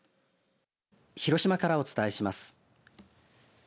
広島からお伝えします。